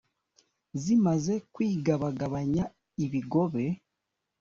zimaze kwigabagabanya ibigobe